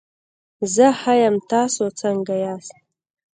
زه ښه یم، تاسو څنګه ياست؟